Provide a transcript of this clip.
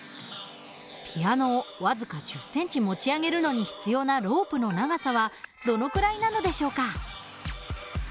ピアノを僅か１０センチ持ち上げるのに必要なロープの長さはどのくらいなのでしょうか？